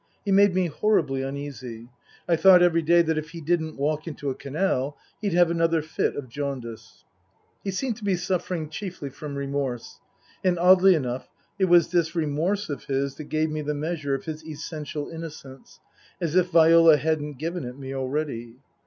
He made me horribly uneasy. I thought every day that if he didn't walk into a canal he'd have another fit of jaundice. He seemed to be suffering chiefly from remorse, and oddly enough it was this remorse of his that gave me the measure of his essential innocence, as if Viola hadn't given it me already.